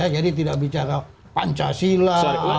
jadi tidak bicara pancasila